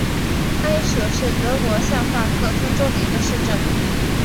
埃舍是德国下萨克森州的一个市镇。